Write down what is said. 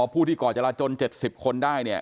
พอผู้ที่ก่อจราจน๗๐คนได้